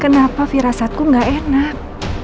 kenapa firasatku gak enak